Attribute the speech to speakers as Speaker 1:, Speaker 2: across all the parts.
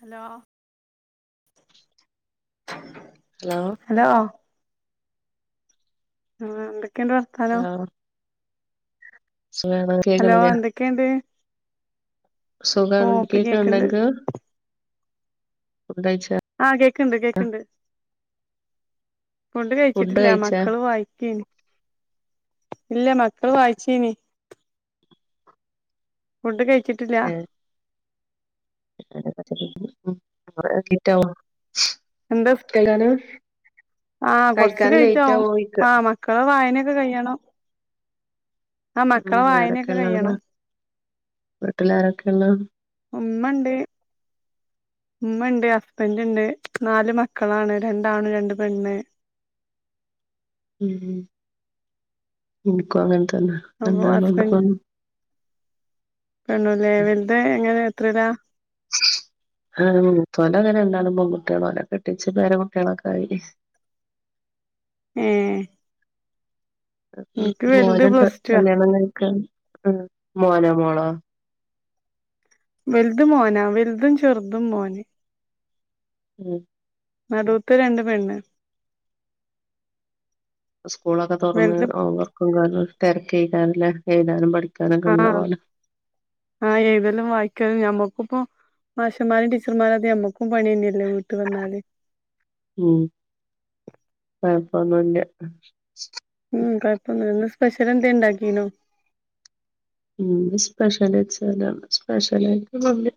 Speaker 1: Hello hello ആഹ എന്തൊക്കെ എന്തൊക്കെയുണ്ട് വർത്താനം
Speaker 2: സുഖയാണ്
Speaker 1: ഹലോ
Speaker 2: കേക്കണില്ലേ
Speaker 1: എന്തൊക്കെയുണ്ട് ഓ
Speaker 2: സുഖയാണ്
Speaker 1: ഇപ്പൊ
Speaker 2: കേക്കിണ്ട
Speaker 1: കേക്കണ്ട്
Speaker 2: നിനക്ക്
Speaker 1: ആഹ കേക്കണ്ട് കേക്കണ്ട് ഫുഡ്‌
Speaker 2: ഫുഡ്
Speaker 1: കഴിച്ചിട്ടില്ല
Speaker 2: കഴിച്ചാ
Speaker 1: മക്കള് വായിക്കന് ഇല്ല മക്കള് വായിച്ചീന് ഫുഡ് കഴിക്കാ വീട്ടിലാ
Speaker 2: നോക്കിട്ട [inaudible]
Speaker 1: എന്താ ആഹ കൊറച്ച്
Speaker 2: കഴിക്കാൻ ലേറ്റ്
Speaker 1: ലേറ്റയവും
Speaker 2: ആവോയിക്ക
Speaker 1: മക്കള് വായന ഒക്കെ ഒക്കെ കഴിയണം ആ മക്കളെ വായനൊക്കെ കഴിയണം
Speaker 2: വീട്ടിലാരൊക്ക ഉള്ളെ
Speaker 1: ഉമ്മ ഉണ്ട് ഉമ്മ ഉണ്ട് ഹസ്ബൻഡ ഉണ്ട് നാല് മക്കളാണ് രണ്ടാണ് രണ്ട് പെണ്ണ്
Speaker 2: ഉം എനിക്കും അങ്ങനെ
Speaker 1: അപ്പൊ
Speaker 2: രണ്ടാണും രണ്ട് പെണ്ണും
Speaker 1: കണല്ലേ വല്തു എങ്ങനെ എത്രയില
Speaker 2: ആ മൂത്തോൻ ന്റെ രണ്ടാളും പെൺകുട്ടികള ഓലെ കെട്ടിച്ചു പേരാമക്കളൊക്കെ ആയി
Speaker 1: യെ
Speaker 2: മോനുണ്ട്
Speaker 1: പ്ലസ് ടു ആ
Speaker 2: കല്യാണം കഴിക്കാൻ ഉം മോനോ മോളോ
Speaker 1: വലുത് മോനാ വലുതും ചെറുതും മോൻ
Speaker 2: ഉം
Speaker 1: നടൂത്തെ രണ്ടും പെണ്ണ്
Speaker 2: സ്കൂളൊക്കെ തുറന്ന്
Speaker 1: വലുത്
Speaker 2: ഹോം വർക്കും കാര്യ തിരക്ക് എയിക്കാരം ലെ എഴുതാനും പഠിക്ക
Speaker 1: ആഹ ആ എഴുതലും വായിക്കലും ഞമ്മക്ക് ക്കും മാഷന്മാരും ടീച്ചർമാര ഞമ്മക്കും പണി തന്ന അല്ല വീട്ട് വന്നാല്
Speaker 2: ഒന്നുല്ല
Speaker 1: ഉം കുഴപ്പൊന്നുല്ല നല്ല. സ്പെഷ്യൽ എന്തെ ണ്ടാക്കീനോ
Speaker 2: ഉ സ്പെഷ്യൽച്ച സ്പെഷ്യല ആയിട്ട് ഒന്നുല്ല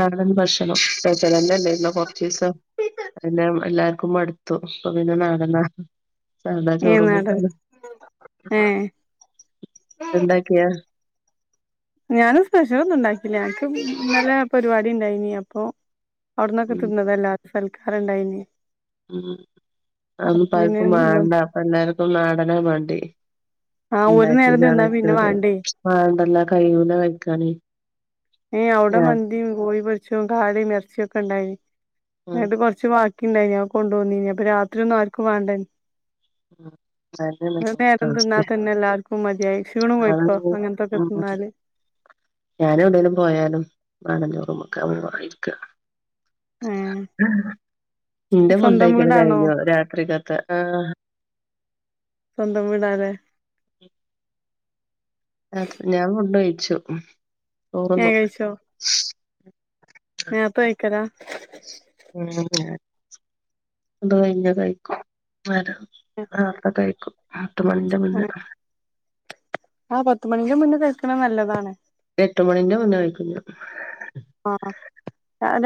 Speaker 2: നാടൻ ഭക്ഷണം സ്പെഷ്യൽന്നല്ലന്ന കൊർച്ചീസം എല്ലാർക്കും മടുത്തു അപ്പൊ പിന്നെ നാടന സാദാ
Speaker 1: ഏഹ്
Speaker 2: ചോറും
Speaker 1: നാടൻ
Speaker 2: കൂട്ടാനും
Speaker 1: ഏഹ്
Speaker 2: എന്താണ്ടാക്കിയെ
Speaker 1: ഞാന് സ്പെഷല് ഒന്നും ഉണ്ടാക്കില്ല എനിക്ക് ഇന്നലെ പരിപാടി ണ്ടായിനി അപ്പൊ അവിടന്നൊക്കെ
Speaker 2: ഉം
Speaker 1: തിന്നതല്ലാരും സൽക്കാരം ഇണ്ടായിനി
Speaker 2: ഉം
Speaker 1: അപ്പൊ
Speaker 2: അതൊന്നും പ്പോ
Speaker 1: പിന്നെ
Speaker 2: ആർക്കും
Speaker 1: എന്തോ
Speaker 2: മാണ്ട അപ്പ എല്ലാർക്കും നാടനാ മാണ്ടേ
Speaker 1: ആഹ് ഒരു നേരം
Speaker 2: ണ്ടാക്കിയതാ ട
Speaker 1: തിന്നാ
Speaker 2: വെച്ച്
Speaker 1: പിന്നെ വാണ്ടേ
Speaker 2: ല്ലാ മണ്ട കയ്യൂല വെക്കാന്
Speaker 1: ഏ അവിടെ മന്ദി കോഴി പൊരിച്ചും കാടയും ഇറച്ചി ച്ചി ഒക്കെ
Speaker 2: ഉം
Speaker 1: ണ്ടായിന് അത് കൊറച്ച് ബാക്കി ണ്ടായി കൊണ്ടോന്നിനി അപ്പൊ രാത്രി ഒന്നും ആർക്കും വാണ്ടേ
Speaker 2: അതന്നെ എല്ലോടത്തിം അവസ്ഥ
Speaker 1: ക്കും മതിയായി ക്ഷീണം കൊയ്ക്കോ
Speaker 2: അതന്നെ
Speaker 1: അങ്ങൻത്തൊക്കെ
Speaker 2: ഉം
Speaker 1: തിന്നാല്
Speaker 2: ഞാനു അതന്നെ പോയാലും മാങ്ങന്റെ റൂമിക്ക ഇരിക്ക
Speaker 1: ഏഹ്
Speaker 2: ഇന്റെ
Speaker 1: സ്വന്തം
Speaker 2: ഫുഡ്ഡയിക്കല്
Speaker 1: വീടാണോ
Speaker 2: കഴിഞ്ഞു രാത്രിക്കത്തെ ആ
Speaker 1: സ്വന്തം വീടാല്ലേ
Speaker 2: ആത ഞാൻ ഫുഡ് കഴിച്ചു ചോറ് ന്നു
Speaker 1: നേർത്ത കയ്ക്കലാ
Speaker 2: [unintelligible] അത് കഴിഞ്ഞ കഴിക്കും വരോ നേർത്ത കഴിക്കും എട്ടുമണിന്റെ മുന്നെ
Speaker 1: ഏഹ് ആ പത്തു മണിന്റ് മുന്നേ കയ്ക്ക്ണ നല്ലതാണ്
Speaker 2: എട്ട് മണിന്റെ മുന്നെ കഴിക്കും ഞ്ഞാൻ
Speaker 1: ആ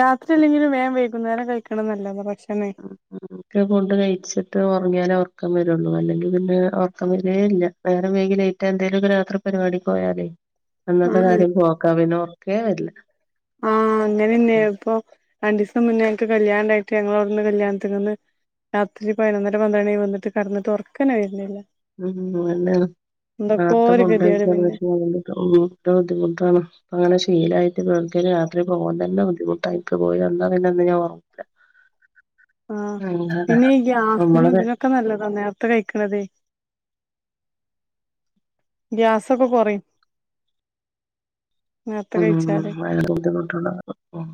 Speaker 1: രാത്രി അല്ലെങ്കിലും വേം വൈകുന്നേരം കഴ്ക്ക്ണ നല്ലത ഭക്ഷ
Speaker 2: ക്കെ കൊണ്ട് കഴിച്ചിട്ട് വ മുങ്ങിയാലൊ ഒർക്കം വരൊള്ളു. അല്ലെങ്കി പിന്നെ ഒർക്കം വരേ ഇല്ല. നേരം വൈകി ലേറ്റ എന്തേലൊകെ രാത്രി പരിപാടിക്കോയാല്
Speaker 1: ഉം
Speaker 2: അന്നത്തെ
Speaker 1: ഉം
Speaker 2: കാര്യം പോ കവിനോക്കെ വരില്ല
Speaker 1: ആഹ് അങ്ങനെന്നെയാപ്പൊ രണ്ടീസം മുന്നേ ഞങ്ങക്ക് കല്യാണണ്ടായിട്ട് ഞങ്ങളവൗടുന്ന് കല്യാണത്തിങ്ങന്ന് രാത്രി പയിനൊന്നര പന്ത്രണി ആയി വന്നിട്ട് കടന്നിട്ട് ഒറക്കനെ വര്ണില്ല
Speaker 2: ഉം അയന്നേണ് നേരത്തെ
Speaker 1: ഒരു
Speaker 2: ഫുഡയിച
Speaker 1: ഗതികേട് പിന്നെ
Speaker 2: പക്ഷെ [unintelligible] ബുദ്ധിമുട്ടാണ് അങ്ങനെ ശീലായി [unintelligible] രാത്രി പോവാൻ തന്നെ ബുദ്ധിമുട്ട ഇൻക്. പോയി വന്ന പിന്നെ അന്ന് ഞാൻ ഒറങൂല
Speaker 1: ആഹ് പിന്നെ ഈ ഗ്യാസിനും
Speaker 2: നമ്മളത്
Speaker 1: ഇതിനൊക്കെ നല്ലത നേരത്തെ കഴിക്ക്ണതേ ഗ്യാസൊക്കെ കെറയും
Speaker 2: ഉം ഭയങ്കര ബുദ്ധിമുട്ട്ണ്ടാവും. ഉം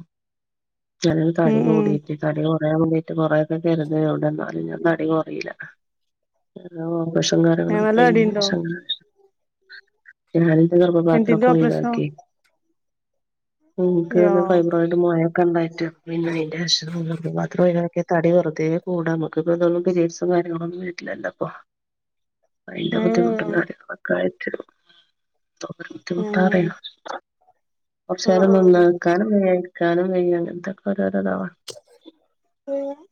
Speaker 2: ചിലോര്
Speaker 1: ഉം
Speaker 2: തടി
Speaker 1: ഉം
Speaker 2: കൂടിയിട്ട് തടി കൊറിനിട്ട് കൊറയാൻ വേണ്ടീട്ട് കൊറെയൊക്കെ കരുതി എവിടെ ഇന്നാലും ഞാൻ തടി കൊറീല ഇ [unintelligible] ശങ്കാരങ്ങളൊ
Speaker 1: ഏഹ്
Speaker 2: ക്കെ
Speaker 1: നല്ല
Speaker 2: കഴിഞ്ഞിലെ
Speaker 1: തടിണ്ടോ
Speaker 2: ഷ ഞാൻ
Speaker 1: എന്തിന്റെ ഓപ്പറേഷനോ
Speaker 2: ഗർഭപാത്രൊക്കൊയിവാക്കി ഇൻക്ക്
Speaker 1: യോ
Speaker 2: ഫൈബ്രോയിഡ് മൊഴ ണ്ടായിട്ട് പിന്നെ അയിന്റെ [unintelligible] ഗർഭപാത്രം ഒയിവാക്കി തടി വെറുതേ കൂടാ നമുക്കിപ്പം ഇതൊന്നും പിരീഡ്സും കാര്യങ്ങളൊന്നും വരില്ലല്ലോ ഇപ്പൊ അയിന്റെ
Speaker 1: ഏഹ് ഏഹ്
Speaker 2: ബുദ്ധിമുട്ടും കാര്യങ്ങളൊക്കായി [unintelligible] ബുദ്ധിമുട്ടാറിയോ
Speaker 1: ആഹ്
Speaker 2: കോർഷേരം നിന്ന
Speaker 1: ആഹ്
Speaker 2: ഒകാനും ക്കാനും കയ്യ എന്താ ക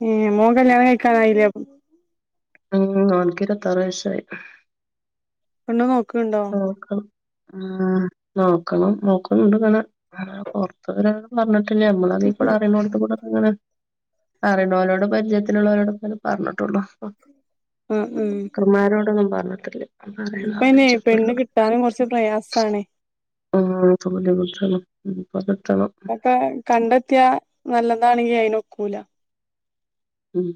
Speaker 1: ഏഹ് മോൻ കല്യാണം കഴിക്കാനായില്ലേപ്പം
Speaker 2: ഉം ഓൻക് ഇരുപ്പത്താർ വയസ്സായി
Speaker 1: പെണ്ണ് നോക്കുണ്ടോ?
Speaker 2: ആഹ് മക്കളും നോക്കുന്നുണ്ട്ങ്ങെ പുറത്തു വരാ പറഞ്ഞ ഇല്ല്യ നമ്മളതീ കൂടെ അറിയണോടുത്ത കൂടെങ്ങനെ അറിണോലോടും പരിചയത്തിലുള്ളവരോട് പറഞ്ഞിട്ടുള്ളൂ കർമാരോടൊന്നും പറ [unintelligible]
Speaker 1: ഇപ്പന്നെ പെണ്ണ് കിട്ടാനും കുറച്ച് പ്രയാസാണ്
Speaker 2: [unintelligible]
Speaker 1: അപ്പൊ കണ്ടെത്തിയ നല്ലതാണെങ്കി അയിനോക്കൂല
Speaker 2: ഉം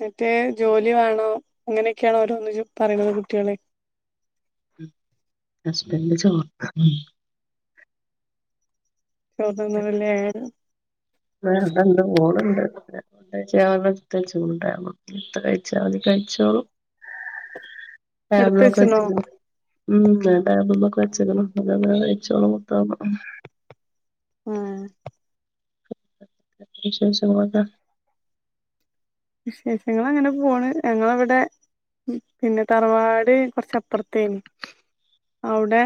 Speaker 1: മറ്റേ ജോലി വേണോ അങ്ങനെക്ക്യാണോരോന്ന് പറയുന്നത് കുട്ട്യാളെ
Speaker 2: ഹസ്ബൻഡ് ചോർക്ക
Speaker 1: ചോർ തിന്ന്ണില്ലെ
Speaker 2: ആ വ്ടെണ്ട് മോള് ണ്ട് ഫുഡ്‌ കയിച്കാണ്ട് [unintelligible] കഴിച്ചോളും
Speaker 1: എടുത്ത്
Speaker 2: ടേബിൾമൊക്കെ
Speaker 1: വെച്ച്ണോ
Speaker 2: വെച്ച്ക്ക്ണ് ഉം ടേബിൾമ്മേ ഒക്കെ വെച്ച്ക്ക്ണ് അങ്ങനെ കഴച്ചോള മൊത്ത
Speaker 1: ആഹ്
Speaker 2: വിശേഷങ്ങളൊക്കെ
Speaker 1: വിശേഷങ്ങളങ്ങനെ പോണ് ഞങ്ങളവിടെ പിന്നെ തറവാട് കൊറച്ചപ്പർത്തേനി അവ്ടെ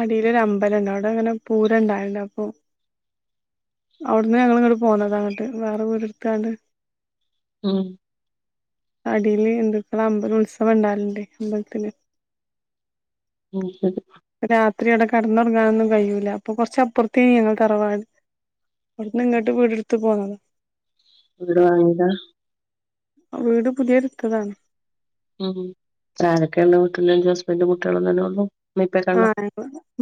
Speaker 1: അടീലൊരു അമ്പലണ്ട് അവ്ടെങ്ങനെ പൂരണ്ടായിണ്ട് അപ്പൊ അവിടുന്ന് ഞങ്ങളിങ്ങട് പോന്നത ഇങ്ങട്ട് വേറെ വീടിട്ത്താണ്ട്
Speaker 2: ഉം
Speaker 1: അടിയില് ഇന്ദുക്കള അമ്പലം ഉത്സവം ഇണ്ടാകല്ണ്ടെ അമ്പലത്തില്
Speaker 2: [unintelligible]
Speaker 1: രാത്രി അട കെട്ന്നൊറങ്ങാനൊന്നും കയ്യൂല്ല അപ്പൊ കൊറച്ചപ്പൊർത്തേനി ഞങ്ങളെ തറവാട് അവിടുന്ന് ഇങ്ങട്ട് വീട് ഇട്ത് പോന്നതാ
Speaker 2: വിടുവാങ്ങിയത
Speaker 1: വീട് പുതിയ ഇട്ത്തതാണ്
Speaker 2: ഉം ആരൊക്കെണ്ട് വീട്ട്ല് ഹസ്ബണ്ട് കുട്ട്യാളും തന്നെ ഒള്ളു
Speaker 1: ആഹ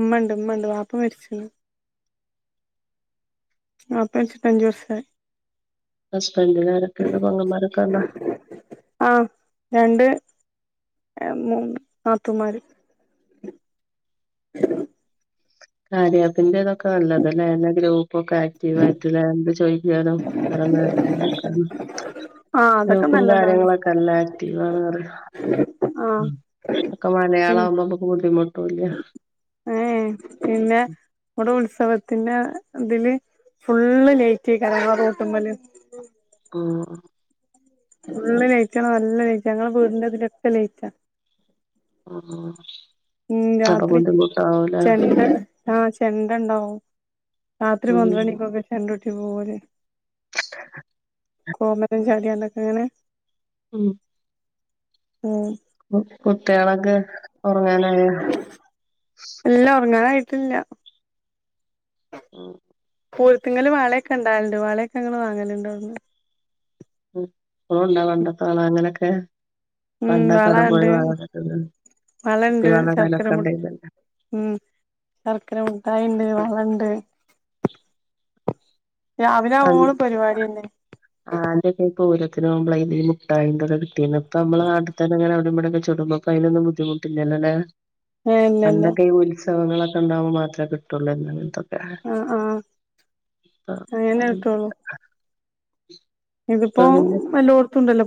Speaker 1: ഇമ്മണ്ട് ഇമ്മണ്ട് വാപ്പ മരിച്ച്ണ് വാപ്പ മരിച്ചിട്ട് അഞ്ചുവർഷായി
Speaker 2: ഹസ്ബൻ്റിനാരൊക്കെണ്ട് പൊങ്ങന്മാരൊക്കെണ്ടോ
Speaker 1: എ മു നാത്തുമാര്
Speaker 2: കാര്യആപ്പിന്റെ ഇതൊക്കെ നല്ലത ലേ എല്ലാ ഗ്രൂ പ്പൊക്കെ ആക്റ്റീവ് ആയിട്ടിലെ എന്ത് ചോയ്ക്കാനും [unintelligible]
Speaker 1: ആഹ് അതൊക്കെ
Speaker 2: ഗ്രൂപ്പും
Speaker 1: നല്ലതാണ്
Speaker 2: കാര്യങ്ങളൊക്കെല്ല ആക്റ്റീവ ആണ് പറിയ
Speaker 1: ആഹ്
Speaker 2: ഒക്കെ മലയാളആവുമ്പം മ്മക്ക് ബുദ്ധിമു ട്ടൂല്ല്യ
Speaker 1: ഏ പിന്നെ വ്ടെ ഉത്സവ പിന്നെ ഇതില് ഫുള്ള് ലേറ്റേകാരം മ്മളെ റോട്ട്മ്മൽ
Speaker 2: ആഹ്
Speaker 1: ഫുൾ ലയിറ്റ നല്ല ലയിറ്റ് ഞങ്ങളെ വീടിന്റെ ഇതിലൊക്കെ ലയിറ്റാ
Speaker 2: ആ ആ
Speaker 1: ഉം രാത്രി ചെലദ് ആഹ് ചെണ്ട ഇണ്ടാവും രാത്രി
Speaker 2: ഉം
Speaker 1: പന്ത്രണ്ടണികൊക്കെ ചെണ്ടൊ [unintelligible]
Speaker 2: [unintelligible]
Speaker 1: കോമരംചാട്യാണ്ടൊക്കെങ്ങനെ
Speaker 2: ഉം
Speaker 1: ഉ
Speaker 2: കുട്ട്യാളക്കെ ഒറങ്ങാനായോ
Speaker 1: ട്ടില്ല
Speaker 2: ഓ
Speaker 1: പുരതങ്ങൽ വാളൊക്കെ ഇണ്ടാവലുണ്ട് വാളയൊക്കെ ഇങ്ങൾ വാങ്ങല്ണ്ടോന്ന്
Speaker 2: [unintelligible] അങ്ങനൊക്കെ
Speaker 1: ഉം
Speaker 2: പണ്ടൊക്കെ അത പോയി
Speaker 1: വളണ്ട്
Speaker 2: വ കുപ്പി
Speaker 1: വളണ്ട്
Speaker 2: വന്ന
Speaker 1: ശർക്കര
Speaker 2: കാലൊക്കെ
Speaker 1: മു
Speaker 2: ഉണ്ടുന്നല്ല
Speaker 1: ഉം ശർക്കര മിഠായിണ്ട് വളണ്ട് രാവിലെ ആവോളും പരിവാടിന്നെ
Speaker 2: പൂരത്തിൻ പോവുമ്മ്പളെ ഇത് ഈ മുട്ടായിന്റേത് പിന്നെപ്പം നമ്മളനാട്ട്തന്നെങ്ങന [unintelligible] ഇപ്പൊ അതിനൊന്നും ബുദ്ധിമുട്ടില്ലല്ലോല്ലേ
Speaker 1: ഏ ഇല്ലല്ല
Speaker 2: പണ്ടൊക്കെ ഈ [unintelligible] അസുഖങ്ങളൊക്കെ ഉണ്ടുവുമ്പോ മാത്രേ കിട്ടുള്ളൂ [unintelligible] ഹേ ആ
Speaker 1: അതെന്നെ കിട്ടുള്ളു ഇതിപ്പോ എല്ലോടത്തുണ്ടല്ലോ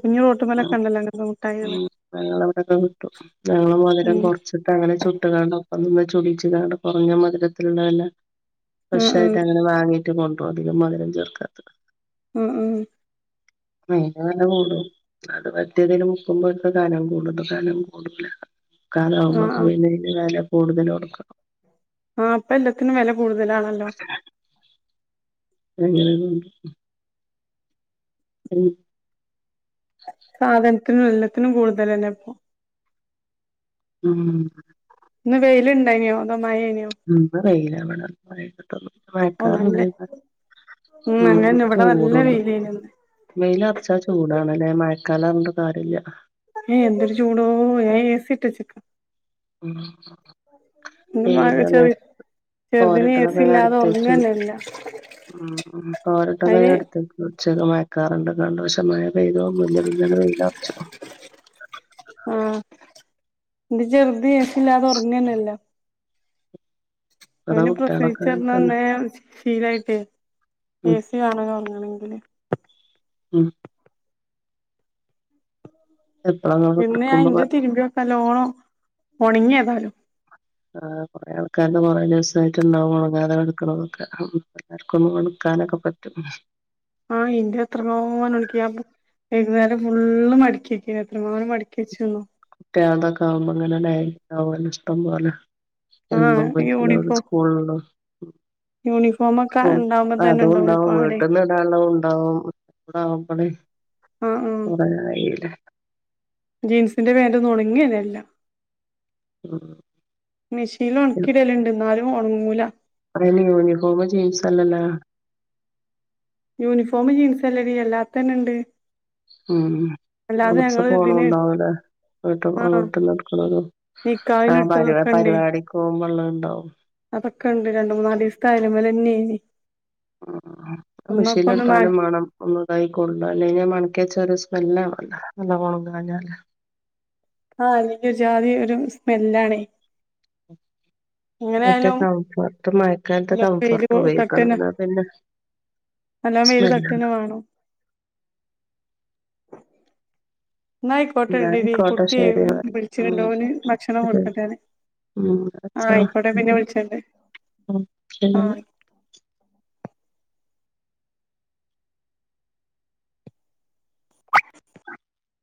Speaker 2: ഞങ്ങളവിടെക്കെ കിട്ടും ഞങ്ങള് മധുരം
Speaker 1: ഉം
Speaker 2: കുറച്ചിട്ട് അങ്ങനെ ചുട്ടുകാണ്ട അതൊന്ന് [unintelligible] ക്കാണ്ട് കുറഞ്ഞ മധുരത്തിലുള്ളതല്ലെ
Speaker 1: ആഹ്
Speaker 2: ഫറഷായിട്ട് അങ്ങനെ വാങ്ങി [unintelligible] അധികം മധുരം ചേർക്കാത്തത്
Speaker 1: ഉം ഉ
Speaker 2: മീന് വെല കൂടും അത് പറ്റിയതിൽ മുക്കുമ്പൊക്കെ കനം കൂടും ഇത് കനം കൂടുല
Speaker 1: ആഹ്
Speaker 2: കാലാവമ്മക്ക്
Speaker 1: ആഹ്
Speaker 2: പിന്നെ [unintelligible] കൂടുതല് ഓർക്കണം
Speaker 1: ആഹ് പ്പ എല്ലത്തിനും വില കൂടുതലാണല്ലോ
Speaker 2: [unintelligible] ഉ
Speaker 1: സാധനത്തിനും എല്ലാത്തിനും കൂടുതലന്നെ ഇപ്പൊ
Speaker 2: ഉം
Speaker 1: ഇന്ന് വെയിലുണ്ടായിനിയോ അതോ മഴേനോ
Speaker 2: ഉം വെയിലവിണ [unintelligible]
Speaker 1: ഓ നല്ല
Speaker 2: മഴക്കാറണ്ടായി ഉം
Speaker 1: അങ്ങന്നെ ഇവിടെ നല്ല
Speaker 2: ചൂടുണ്ട്
Speaker 1: വെയിലേനു ഇന്ന്
Speaker 2: വെയില് അറച്ചാ ചൂടാണല്ലേ മ [unintelligible] കാര്യല്ല്യ
Speaker 1: ഏഹ് എന്തൊരു ചൂടോ ഏ എസിട്ടെച്ച്ക
Speaker 2: ഉം
Speaker 1: എന്റെ മക ചെറി
Speaker 2: [unintelligible]
Speaker 1: ചെറുതിന് എ സി
Speaker 2: തോരട്ടതൊക്കെ
Speaker 1: ഇല്ലാതെ
Speaker 2: കടത്തി വെച്ചു
Speaker 1: ഉറങ്ങന്നല്ല
Speaker 2: ഉം തോരട്ടത്
Speaker 1: അയിന്
Speaker 2: [unintelligible] മഴക്കാറ്ണ്ട് [unintelligible] മഴ പെയ്തതൊന്നുല്യ പിന്നെ ആണ് വെയിലറച്ചുകുണു
Speaker 1: ആഹ് ൻ്റെ ചെറ്ത് ഏസി ഇല്ലാതെ ഒറങ്ങലില്ലല്ല
Speaker 2: അതാ
Speaker 1: അവന്
Speaker 2: കുട്ടികളൊക്കെ
Speaker 1: പ്രസവിച്ചെടുന്നേ
Speaker 2: തന്നെ
Speaker 1: അന്നേ ശീലായിട്ട്
Speaker 2: ഉം
Speaker 1: എ സി വേണന്ന് പറഞ്ഞു ആണെങ്കിൽ
Speaker 2: ഉം എപ്പളാ ഇങ്ങള്
Speaker 1: പിന്നെ ഞാൻ
Speaker 2: എടുക്കുമ്പോ പറ
Speaker 1: ഇന്റെ തിരുമ്പി വെയ്ക്കല്ലോണോ ഓണങ്ങ്യേതായാലും
Speaker 2: ആ കൊറേ ആൾക്കാര്ണ്ട് കുറെ ദിവസായിട്ട് ഇണ്ടാവും ഒണങ്ങാതെ കെടക്ക്ണതൊക്കെ [unintelligible] ഒന്നു ഒണക്കാനൊക്കെ പറ്റും
Speaker 1: ആഹ് ഇൻ്റെ എത്രാങ്ങാനും [unintelligible] ഇന്നലെ ഫുള്ള് മടക്കി വെക്കാന്നു എത്രങ്ങാനും മടക്കിച്ചുന്നോ
Speaker 2: കുട്ടിയൾതൊക്കെ ആവുമ്പോ ങ്ങനെ [unintelligible] ഇഷ്ടം പോലേ
Speaker 1: ആഹ് യൂണിഫോ
Speaker 2: [unintelligible] സ്കുൾന്ന്
Speaker 1: യൂണിഫോമൊക്കെ
Speaker 2: ഉം
Speaker 1: ഇണ്ടാവുമ്പോ തന്നെ ഇണ്ടാവും
Speaker 2: അതുണ്ടാവും
Speaker 1: ഒരുപാടെ
Speaker 2: വീട്ടുന്ന്ടാന്ള്ളതും ഇണ്ടാവും ആഹ് [unintelligible]
Speaker 1: ആഹ് ആഹ്
Speaker 2: കൊറേ ആയിലെ
Speaker 1: ജീൻസിന്റെ പാൻ്റ് ഒന്നും ഒണങ്ങന്നെ ഇല്ല
Speaker 2: ഉം
Speaker 1: മെഷീൻല് ഒണക്കിടലുണ്ട് എന്നാലും ഒണങ്ങൂല
Speaker 2: [unintelligible] യൂണിഫോം ജീൻസല്ലലാ
Speaker 1: യൂണിഫോം ജീൻസ് അല്ലടി അല്ലാത്തന്നെണ്ട്
Speaker 2: ഉം
Speaker 1: അല്ലാതെ
Speaker 2: മദ്രസ
Speaker 1: ഞങ്ങള് ഇതിന്
Speaker 2: പോണുണ്ടാവുലേ
Speaker 1: ആഹ്
Speaker 2: [unintelligible] അങ്ങട്ടും [unintelligible] ആഹ് പരിവ
Speaker 1: നിക്കാഹിനിട്ടതൊക്കെ ഇണ്ടേ
Speaker 2: പരിവാടിക്ക് പോവുമ്പൊള്ള ണ്ടാവും
Speaker 1: അതൊക്കെ ണ്ട് രണ്ട് മൂന്നാലീസത്തെ അയലുമ്മേലന്നേന്ന്
Speaker 2: മെഷീന് ഇട്ടാലും മണം ഒന്നതായി കൊള്ളൂ അല്ലെ ഞാൻ മടക്കി വെച്ച് വെല്ലേ വല്ല എല്ല കൊണം കഞ്ഞാല്
Speaker 1: ആ എനിക്ക് ഒരു ജാതി ഒരു സ്മെല്ലാണേ എങ്ങനെ
Speaker 2: ഒറ്റ
Speaker 1: ആയാലും
Speaker 2: ടൗസർ മഴക്കാലത്ത്
Speaker 1: നല്ലോം വെയില്
Speaker 2: കംഫർട്ട് ഉപയോഗിക്കണം
Speaker 1: തട്ടന്നെ
Speaker 2: എന്ന പിന്നെ
Speaker 1: നല്ലോം വെയില്
Speaker 2: സ്മെല്ലാണ്
Speaker 1: തട്ടന്നെ വേണം എന്ന ആയിക്കോട്ടെ
Speaker 2: എന്നാ
Speaker 1: ഇണ്ട്ടി
Speaker 2: ആയിക്കോട്ടെ ശരി എന്നാല് ഉം
Speaker 1: കുട്ടിയെവിളിച്ചിട്ടുണ്ടോന്ന് ഭക്ഷണം
Speaker 2: ശരി
Speaker 1: കൊടുക്കട്ടെന്ന്
Speaker 2: ഉം
Speaker 1: ആ
Speaker 2: വെച്ചോ
Speaker 1: ആയിക്കോട്ടെ പിന്നെ വിളിച്ചിട്ടുണ്ട്
Speaker 2: ഉം
Speaker 1: ആ
Speaker 2: ശരി